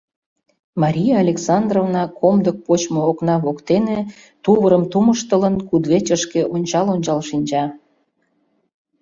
Мария Александровна комдык почмо окна воктене тувырым тумыштылын, кудывечышке ончал-ончал шинча.